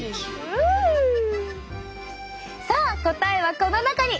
さあ答えはこの中に！